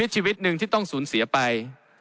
ชีวิตหนึ่งที่ต้องสูญเสียไป